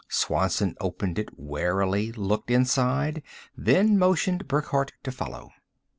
Swanson opened it warily, looked inside, then motioned Burckhardt to follow.